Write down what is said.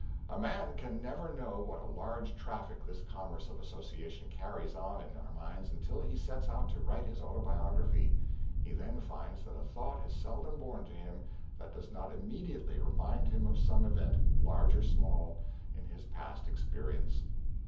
A man can never know what a large traffic this commerce of association carries on in our minds until he sets out to write his autobiography; he then finds that a thought is seldom born to him that does not immediately remind him of some event, large or small, in his past experience.